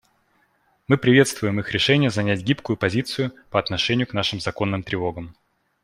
Мы приветствуем их решение занять гибкую позицию по отношению к нашим законным тревогам.